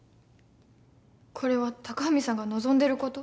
これは隆文さんが望んでること？